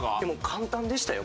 簡単でしたよ